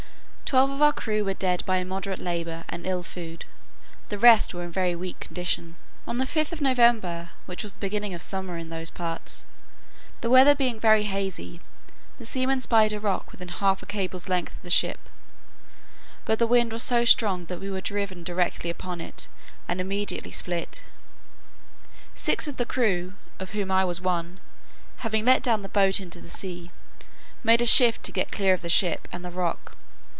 Twelve of our crew were dead by immoderate labour and ill food; the rest were in a very weak condition. On the 5th of November, which was the beginning of summer in those parts, the weather being very hazy, the seamen spied a rock within half a cable's length of the ship; but the wind was so strong, that we were driven directly upon it, and immediately split. Six of the crew, of whom I was one, having let down the boat into the sea, made a shift to get clear of the ship and the rock.